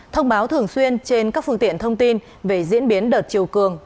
thông báo thường xuyên trên các phương tiện thông tin về diễn biến đợt chiều cường